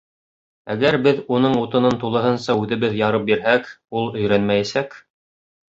Әгәр беҙ уның утынын тулыһынса үҙебеҙ ярып бирһәк, ул өйрәнмәйәсәк.